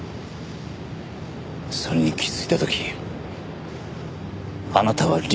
それに気づいた時あなたは理解した。